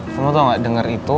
kamu tau gak denger itu